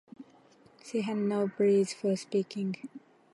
She had no breath for speaking.